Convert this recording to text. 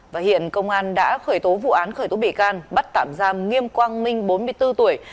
và hiện công an đã khởi tố vụ án khởi tố bị can bắt tạm giam nghiêm quang minh bốn mươi bốn tuổi